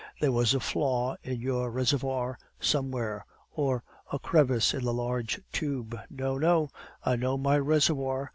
There was a flaw in your reservoir somewhere, or a crevice in the large tube " "No, no; I know my reservoir.